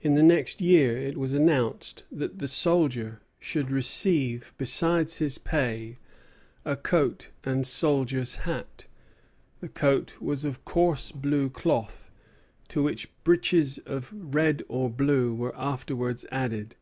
In the next year it was announced that the soldier should receive, besides his pay, "a coat and soldier's hat." The coat was of coarse blue cloth, to which breeches of red or blue were afterwards added.